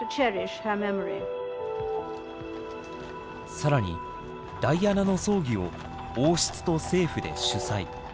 更にダイアナの葬儀を王室と政府で主催。